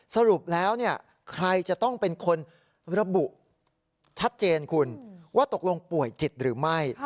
สรุปแล้วใครจะต้องเป็นคนระบุชัดเจนคุณว่าตกลงป่วยจิตหรือไม่